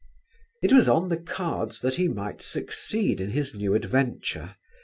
It was on the cards that he might succeed in his new adventure.